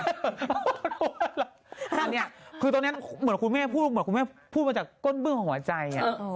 ตอนนี้คือตอนนี้คุณแม่พูดมาจากก้นเบื้องของหัวใจ